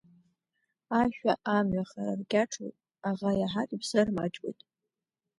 Ашәа амҩа хара аркьаҿуеит, аӷа иаҳар иԥсы армаҷуеит.